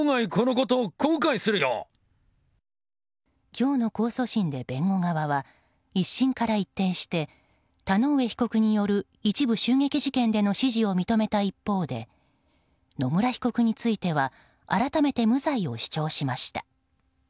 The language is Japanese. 今日の控訴審で弁護側は１審から一転して田上被告による一部襲撃事件での指示を認めた一方で野村被告については改めて無罪を主張しました。